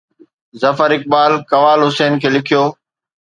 ظفر اقبال قوال حسين کي لکيو